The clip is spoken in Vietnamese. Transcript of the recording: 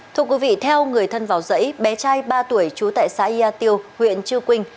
thưa quý vị theo người thân vào dãy bé trai ba tuổi trú tại xã yà tiêu huyện chư quynh